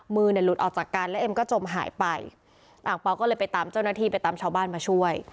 มือเนี่ยหลุดออกจากกันแล้วเอ็มก็จมหายไปอ่างเปล่าก็เลยไปตามเจ้าหน้าที่ไปตามชาวบ้านมาช่วย